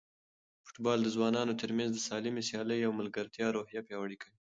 فوټبال د ځوانانو ترمنځ د سالمې سیالۍ او ملګرتیا روحیه پیاوړې کوي.